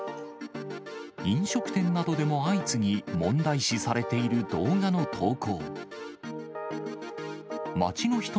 飲食店などでも相次ぎ、問題視されている動画の投稿。